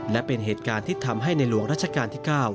และเป็นเหตุการณ์ที่ทำให้ในหลวงรัชกาลที่๙